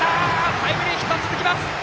タイムリーヒット、続きます！